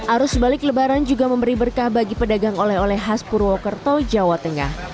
arus balik lebaran juga memberi berkah bagi pedagang oleh oleh khas purwokerto jawa tengah